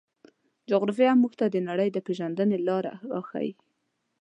جغرافیه موږ ته د نړۍ د پېژندنې لاره راښيي.